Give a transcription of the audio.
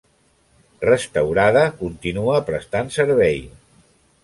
Restaurada, contínua prestant servei.